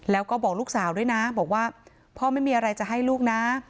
แล้วก็บอกลูกสาวด้วยนะบอกว่าพ่อไม่มีอะไรจะให้ลูกนะ